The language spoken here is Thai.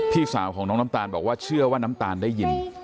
พี่สาวของน้องน้ำตาลบอกว่าเชื่อว่าน้ำตาลได้ยิน